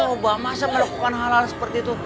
ubah masa melakukan hal hal seperti itu